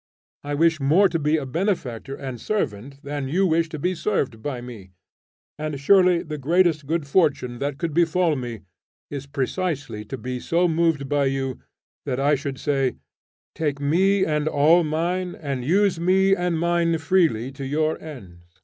I wish more to be a benefactor and servant than you wish to be served by me; and surely the greatest good fortune that could befall me is precisely to be so moved by you that I should say, 'Take me and all mine, and use me and mine freely to your ends'!